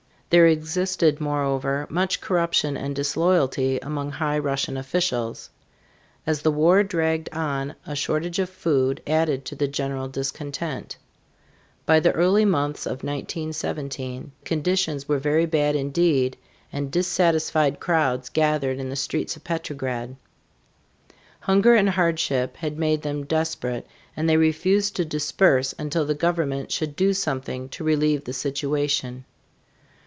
There existed, moreover, much corruption and disloyalty among high Russian officials. As the war dragged on a shortage of food added to the general discontent. By the early months of 1917, conditions were very bad indeed, and dissatisfied crowds gathered in the streets of Petrograd. Hunger and hardship had made them desperate, and they refused to disperse until the government should do something to relieve the situation.